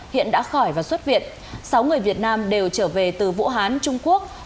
hiện đã khỏi và xuất viện sáu người việt nam đều trở về từ vũ hán trung quốc